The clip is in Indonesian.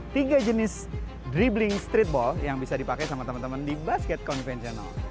tiga jenis dribbling streetball yang bisa dipakai sama teman teman di basket konvensional